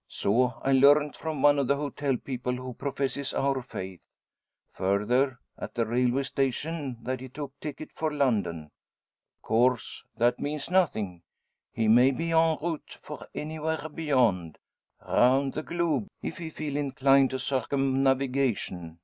So I learnt from one of the hotel people, who professes our faith. Further, at the railway station, that he took ticket for London. Of course that means nothing. He may be en route for anywhere beyond round the globe, if he feel inclined to circumnavigation.